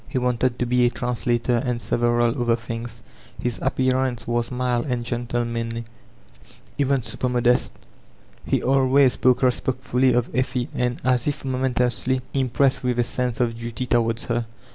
ne wanted to be a translator and several other things His appearance 424 VOLTAIBINE DE ClEYSB was mild and gentlananly, even super^modest He al* ways spoke respectfully of Effie, and as if momentously impressed with a sense of duty towards her.